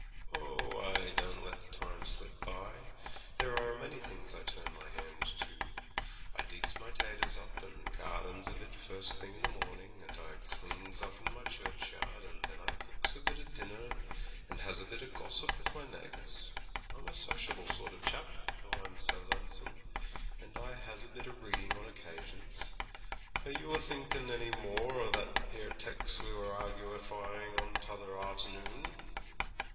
'Oh, I don't let the time slip by; there are a many things I turn my hand to. I digs my taters up, and gardens a bit first thing in the morning, and I cleans up in my churchyard, and then I cooks a bit o' dinner, and has a bit o' gossip with my neighbours. I'm a sociable sort o' chap, though I'm so lonesome. And I has a bit o' reading on occasions. Are you a thinkin' any more o' that 'ere tex' that we was a argufying on t'other arter noon?'